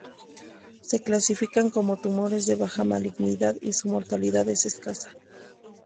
Se clasifican como tumores de baja malignidad y su mortalidad es escasa.